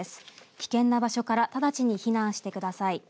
危険な場所から直ちに避難してください。